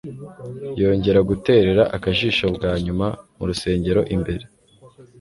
Yongera guterera akajisho bwa nyuma mu rusengero imbere,